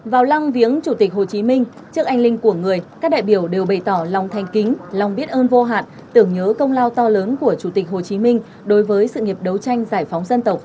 vào lăng viếng chủ tịch hồ chí minh trước anh linh của người các đại biểu đều bày tỏ lòng thanh kính lòng biết ơn vô hạn tưởng nhớ công lao to lớn của chủ tịch hồ chí minh đối với sự nghiệp đấu tranh giải phóng dân tộc